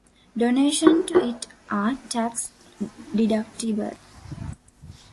Donations to it are tax-deductible.